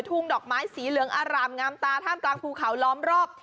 ดอกไม้สีเหลืองอร่ามงามตาท่ามกลางภูเขาล้อมรอบ